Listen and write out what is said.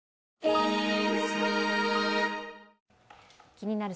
「気になる！